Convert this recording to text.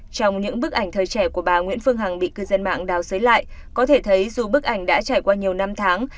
trong những bức ảnh thời trẻ của bà nguyễn phương hằng bị cư dân mạng đào xấy lại có thể thấy dù bức ảnh đã trải qua nhiều năm tháng